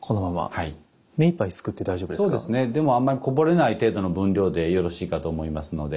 でもあまりこぼれない程度の分量でよろしいかと思いますので。